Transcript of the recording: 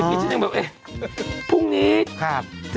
อ๋ออีกนิดนึงยังแบบพรุ่งนี้ครับ